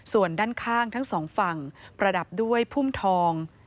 ส่วนด้านข้างทั้งสองฝั่งประดับด้วยพุ่มทอง